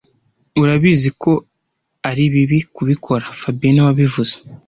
Urabizi ko ari bibi kubikora fabien niwe wabivuze